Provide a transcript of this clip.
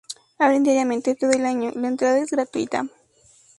Abren diariamente todo el año, la entrada es gratuita.